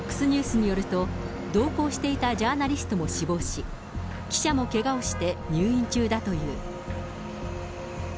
ＦＯＸニュースによると、同行していたジャーナリストも死亡し、記者もけがをして入院中だという。